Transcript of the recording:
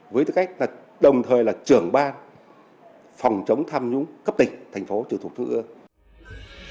với tư cách là đồng thời là trưởng ban phòng chống tham nhũng cấp tỉnh thành phố trực thuộc trung ương